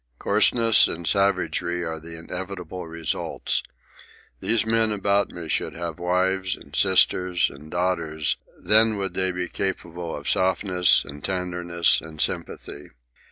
Coarseness and savagery are the inevitable results. These men about me should have wives, and sisters, and daughters; then would they be capable of softness, and tenderness, and sympathy.